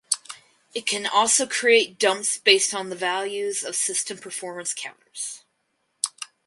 It can also create dumps based on the values of system performance counters.